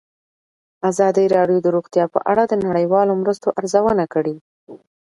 ازادي راډیو د روغتیا په اړه د نړیوالو مرستو ارزونه کړې.